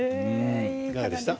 いかがでしたか？